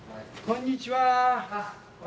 こんにちは。